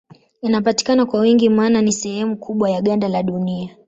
Inapatikana kwa wingi maana ni sehemu kubwa ya ganda la Dunia.